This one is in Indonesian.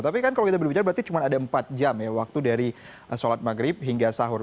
tapi kan kalau kita berbicara berarti cuma ada empat jam ya waktu dari sholat maghrib hingga sahur